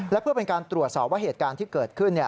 และเพื่อเป็นการตรวจสอบว่าเหตุการณ์ที่เกิดขึ้น